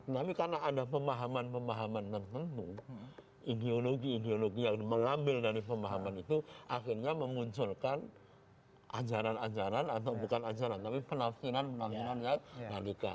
tapi karena ada pemahaman pemahaman tertentu ideologi ideologi yang mengambil dari pemahaman itu akhirnya memunculkan ajaran ajaran atau bukan ajaran tapi penafsiran penafsiran yang radikal